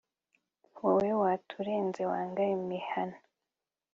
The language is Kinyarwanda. wowe watureze wanga imihana